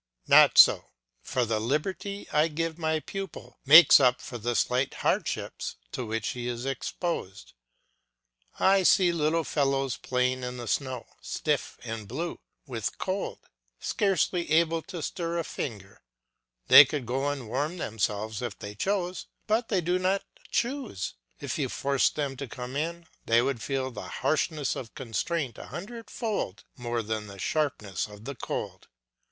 Not so; for the liberty I give my pupil makes up for the slight hardships to which he is exposed. I see little fellows playing in the snow, stiff and blue with cold, scarcely able to stir a finger. They could go and warm themselves if they chose, but they do not choose; if you forced them to come in they would feel the harshness of constraint a hundredfold more than the sharpness of the cold.